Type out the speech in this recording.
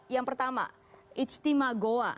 yang pertama ijtima goa